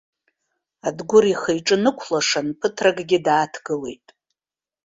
Адгәыр ихы-иҿы нықәлашан, ԥыҭракгьы дааҭгылеит.